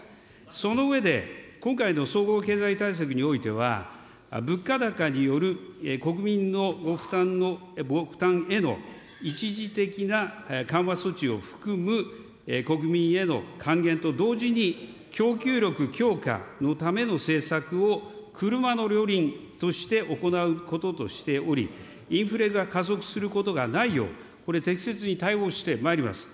その上で、今回の総合経済対策においては、物価高による、国民の負担の、ご負担への一時的な緩和措置を含む国民への還元と同時に、供給力強化のための政策を車の両輪として行うこととしており、インフレが加速することがないよう、これ、適切に対応してまいります。